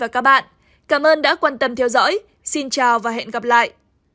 cảm ơn đã quan tâm theo dõi xin chào và hẹn gặp lại